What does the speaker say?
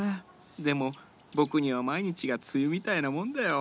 でも僕には毎日が梅雨みたいなもんだよ。